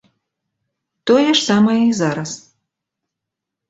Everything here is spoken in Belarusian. Тое ж самае і зараз.